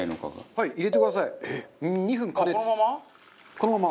このまま？